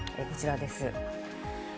こちらです。